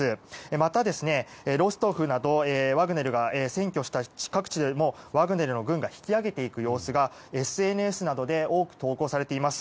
また、ロストフなどワグネルが占拠した各地でワグネルの軍が引き揚げていく様子がＳＮＳなどで多く報道されています。